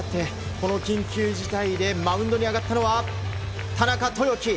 この緊急事態でマウンドに上がったのは田中豊樹。